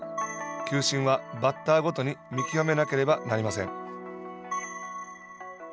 球審は、バッターごとに見極めなければなりません。